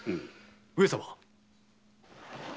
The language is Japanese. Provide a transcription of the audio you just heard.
・上様。